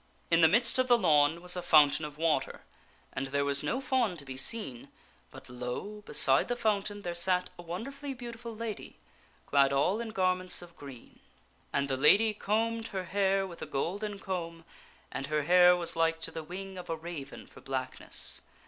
In the midst of the lawn was a fountain of water, and there was no fawn to be seen, but, lo ! beside the fountain there They behold a sa ^ a won derfully beautiful lady, clad all in garments of green. beautiful lady And the lady combed her hair with a golden comb, and m the forest. k er ^^ wag j.^ g ^^ w j n g o f a raven f or blackness.